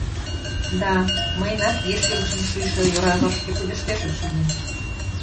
Да... мыйынат еш илышын шӱйшӧ йора вашке пудештеш, очыни.